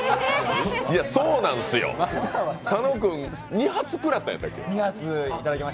そうなんすよ、佐野君、２発食らったんだっけ。